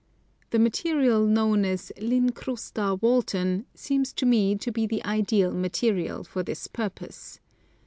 The material known as Lincrusta Walton seems to me to be the ideal material for this purpose.